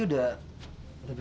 oke kita ambil biar cepet